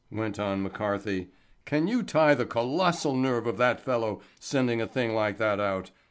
went on McCarthy. "Can you tie the colossal nerve of that fellow sending a thing like that out?